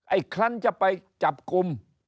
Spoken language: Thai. ไอ้คลั้นจะไปจับกลุ่ม